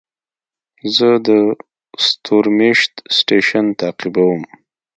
زه د ستورمېشت سټېشن تعقیبوم.